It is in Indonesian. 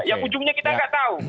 ya ujungnya kita nggak tahu